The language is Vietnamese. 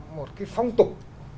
một cái phong tục